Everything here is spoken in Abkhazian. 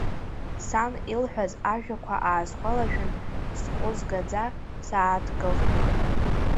Сан илҳәаз ажәақәа аасгәалашәан, сҟәызгаӡа сааҭгылт.